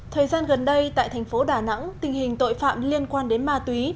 thời gian gần đây tại thành phố đà nẵng tình hình tội phạm liên quan đến ma túy